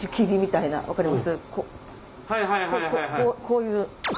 こういう。